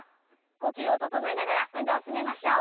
呼吸を整えながら運動を進めましょう。